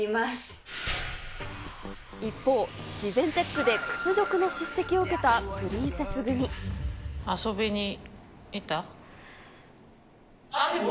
一方、事前チェックで屈辱の遊びに来た？